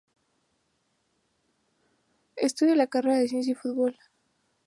Estudio la carrera de Ciencia y Fútbol.